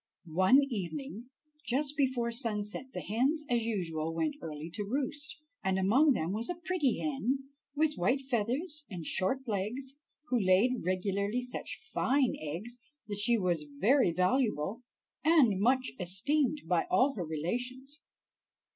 One evening just before sunset the hens as usual went early to roost, and among them was a pretty hen with white feathers and short legs, who laid regularly such fine eggs that she was very valuable, and much esteemed by all her relations.